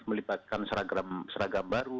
melibatkan seragam baru